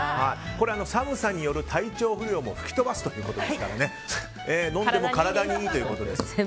寒さによる体調不良も吹き飛ばすということですから飲んでも体にいいということです。